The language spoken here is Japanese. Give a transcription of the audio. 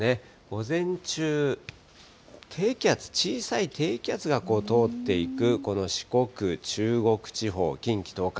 午前中、低気圧、小さい低気圧が通っていく、この四国、中国地方、近畿、東海。